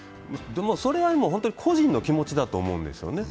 それよりも個人の気持ちだと思うんですよね。